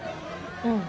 うん。